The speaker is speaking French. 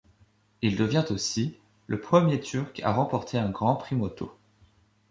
Il devient aussi le premier turque à remporter un Grand Prix moto.